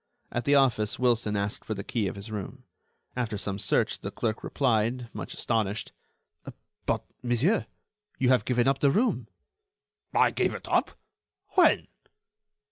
At the office Wilson asked for the key of his room. After some search the clerk replied, much astonished: "But, monsieur, you have given up the room." "I gave it up? When?"